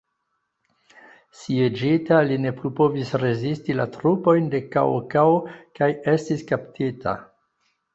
Sieĝita li ne plu povis rezisti la trupojn de Cao Cao kaj estis kaptita.